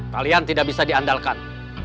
kalian tidak bisa diandalkan